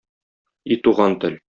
И туган тел!